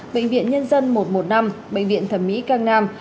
bệnh viện nhân dân một trăm một mươi năm bệnh viện thẩm mỹ cang nam